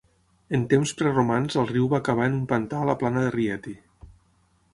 En temps preromans al riu va acabar en un pantà a la plana de Rieti.